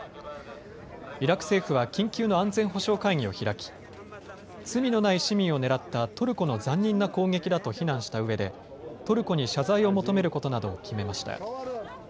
イラク政府は緊急の安全保障会議を開き罪のない市民を狙ったトルコの残忍な攻撃だと非難したうえでトルコに謝罪を求めることなどを決めました。